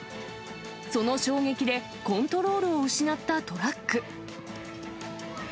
その衝撃で、コントロールを失ったトラック。